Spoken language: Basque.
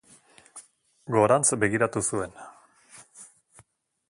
Gorantz begiratu zuen.